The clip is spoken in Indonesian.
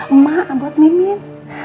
emak buat min min